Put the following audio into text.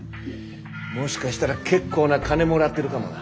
もしかしたら結構な金もらってるかもな。